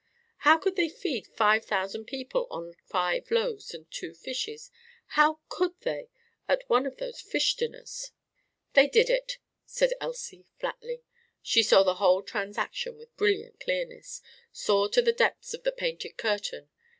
"How could they feed five thousand people on five loaves and two fishes? How could they? At one of those fish dinners!" "They did it!" said Elsie flatly. She saw the whole transaction with brilliant clearness saw to the depths of the painted curtain.